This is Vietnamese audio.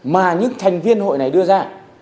mà những thành viên hội này đưa ra